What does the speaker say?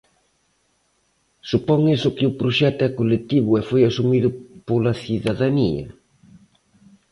Supón iso que o proxecto é colectivo e foi asumido pola cidadanía?